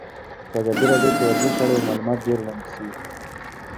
په ازادي راډیو کې د ورزش اړوند معلومات ډېر وړاندې شوي.